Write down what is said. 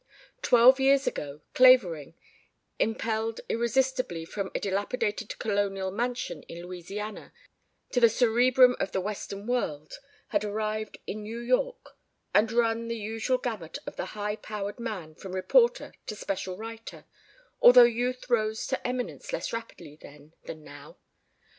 Twelve years ago, Clavering, impelled irresistibly from a dilapidated colonial mansion in Louisiana to the cerebrum of the Western World, had arrived in New York; and run the usual gamut of the high powered man from reporter to special writer, although youth rose to eminence less rapidly then than now.